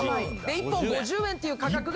１本５０円って価格が。